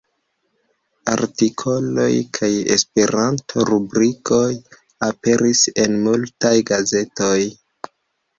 Artikoloj kaj Esperanto-rubrikoj aperis en multaj gazetoj.